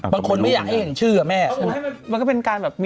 บางคนไม่อยากให้เห็นชื่ออะแม่ใช่ไหมมันก็เป็นการแบบมีสีใส